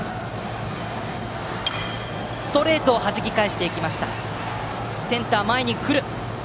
ストレートをはじき返してきました。